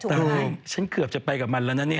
ถูกหรือไม่โอ้โหฉันเกือบจะไปกับมันละเนี่ย